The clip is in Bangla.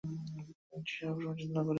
এই দৃশ্য আমি সবসময় পছন্দ করি।